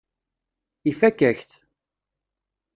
Ifakk-ak-t.